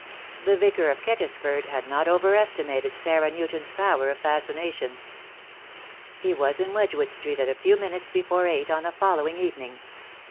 The Vicar of Kettisford had not over estimated Sarah Newton's power of fascination. He was in Wedgewood Street at a few minutes before eight on the following evening.